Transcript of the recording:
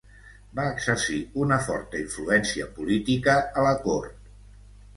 Va exercir una forta influència política a la cort.